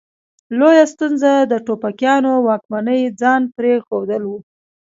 لویه ستونزه د ټوپکیانو واکمني ځان پرې ښودل وه.